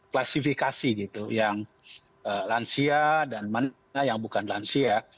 klasifikasi yang lansia dan yang bukan lansia